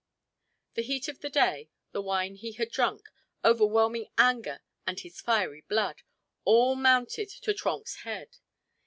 The heat of the day, the wine he had drunk, overwhelming anger and his fiery blood, all mounted to Trenck's head.